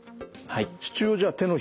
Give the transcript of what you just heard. はい。